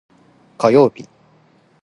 火曜日